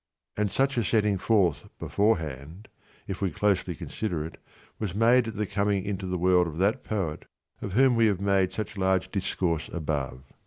And such a setting forth beforehand, if we closely consider it, was made at the coming into the world of that poet of whom we have made such large discourse above.